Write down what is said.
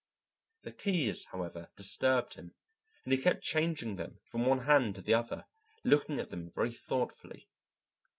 The keys, however, disturbed him, and he kept changing them from one hand to the other, looking at them very thoughtfully.